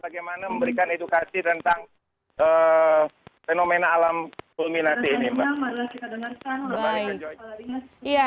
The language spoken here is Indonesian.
bagaimana memberikan edukasi tentang fenomena alam fulminasi ini